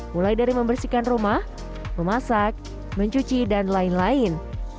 mulai dari membersihkan rumah memasak mencuci dan lain lain